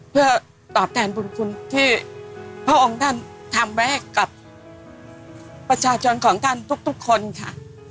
เพื่อตอบแทนบุญคุณที่พระองค์ท่านทำไว้ให้กับประชาชนของท่านทุกคนค่ะ